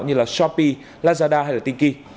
như shopee lazada hay tiki